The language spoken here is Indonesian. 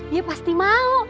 ya pasti mau